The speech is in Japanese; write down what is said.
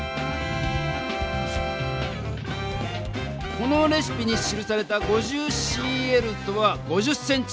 このレシピに記された「５０ｃＬ」とは「５０センチリットル」。